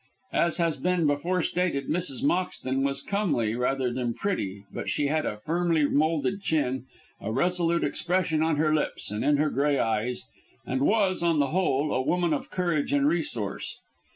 As has been before stated, Mrs. Moxton was comely rather than pretty, but she had a firmly moulded chin, a resolute expression on her lips and in her grey eyes, and was, on the whole, a woman of courage and resource.